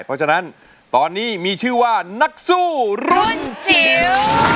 เพราะฉะนั้นตอนนี้มีชื่อว่านักสู้รุ่นจิ๋ว